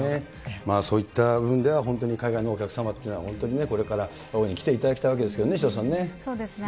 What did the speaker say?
そういった部分では、本当に海外のお客様っていうのは、本当にね、これから大いに来ていただきたいわけですよね、潮田さんね。